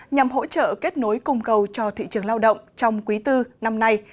nhằm hỗ trợ kết nối cùng cầu cho thị trường lao động trong quý tư năm nay